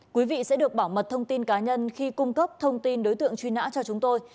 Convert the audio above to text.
quý vị sẽ được bảo mật thông tin cá nhân khi cung cấp thông tin đối tượng truy nã cho chúng tôi